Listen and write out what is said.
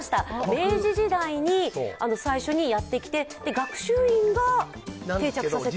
明治時代に最初にやってきて学習院が定着させたと。